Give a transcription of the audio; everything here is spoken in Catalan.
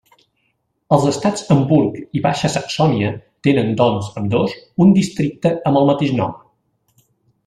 Els estats Hamburg i Baixa Saxònia tenen doncs ambdós un districte amb el mateix nom.